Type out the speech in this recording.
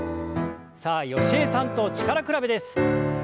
さあ吉江さんと力比べです。